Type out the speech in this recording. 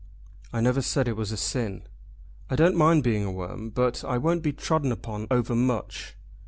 "I never said it was a sin." "I don't mind being a worm, but I won't be trodden upon overmuch.